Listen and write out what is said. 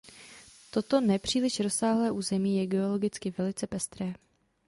Toto ne příliš rozsáhlé území je geologicky velice pestré.